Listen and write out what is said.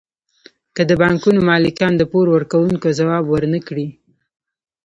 که د بانکونو مالکان د پور ورکوونکو ځواب ورنکړي